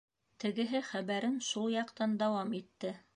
Тегеһе хәбәрен шул яҡтан дауам итте.